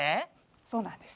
そうなんです